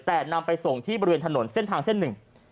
แต่นำไปส่งที่บริเวณถนนเส้นทางเส้นหนึ่ง